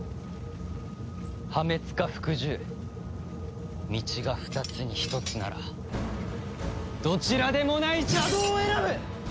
破滅か服従道が２つに１つならどちらでもない邪道を選ぶ！